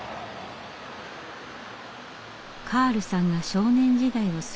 カールさんが少年時代を過ごした場所。